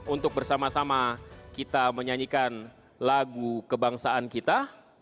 untuk bersama sama kita menyanyikan lagu kebangsaan kita